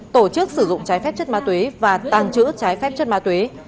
tổ chức sử dụng trái phép chất ma túy và tàng trữ trái phép chất ma túy